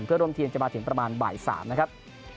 เพื่อร่วมทีมจะมาถึงประมาณบ่าย๓นะครับ